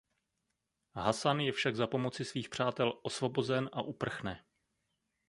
Hasan je však za pomoci svých přátel osvobozen a uprchne.